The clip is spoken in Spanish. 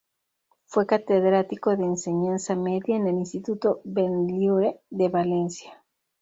Fue catedrático de enseñanza media en el instituto Benlliure, de Valencia.